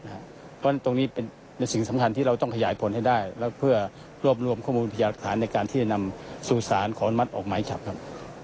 เพราะว่าตรงนี้เป็นสิ่งสำคัญที่เราต้องขยายผลให้ได้และเพื่อรวมรวมข้อมูลของประวัติฐานาศาสตร์ในการที่จะนำสูตรสารขวนมัตย์ออกหมายจับครับ